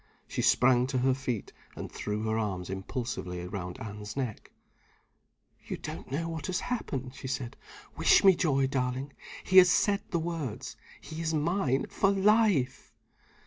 She sprang to her feet, and threw her arms impulsively round Anne's neck. "You don't know what has happened," she whispered. "Wish me joy, darling. He has said the words. He is mine for life!"